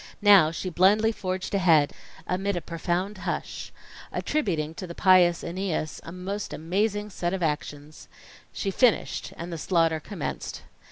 Now, she blindly forged ahead, amid a profound hush attributing to the Pious Æneas a most amazing set of actions. She finished; and the slaughter commenced.